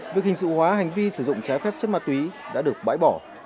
việc hình sự hóa hành vi sử dụng trái phép chất ma túy đã được bãi bỏ